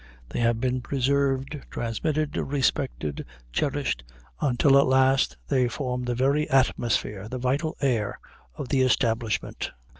They have been preserved, transmitted, respected, cherished, until at last they form the very atmosphere, the vital air, of the establishment.